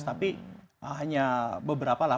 tapi hanya beberapa lah